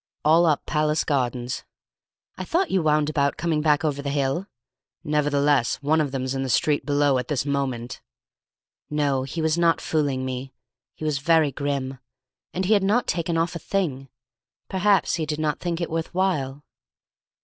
"All up Palace Gardens." "I thought you wound about coming back over the hill." "Nevertheless, one of them's in the street below at this moment." No, he was not fooling me. He was very grim. And he had not taken off a thing; perhaps he did not think it worth while.